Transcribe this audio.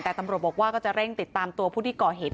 แต่ตำรวจบอกว่าก็จะเร่งติดตามตัวผู้ที่ก่อเหตุ